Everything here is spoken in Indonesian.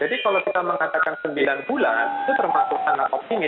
jadi kalau kita mengatakan sembilan bulan itu termasuk anak optimis